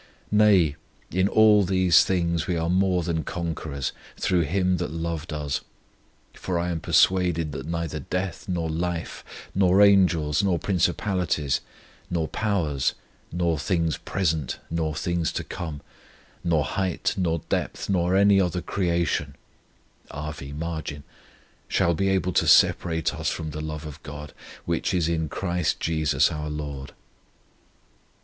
... Nay, in all these things we are more than conquerors, through Him that loved us. For I am persuaded that neither death, nor life, nor angels, nor principalities, nor powers, nor things present, nor things to come, nor height, nor depth, nor any other creation [R.V. margin], shall be able to separate us from the love of GOD, which is in CHRIST JESUS our LORD."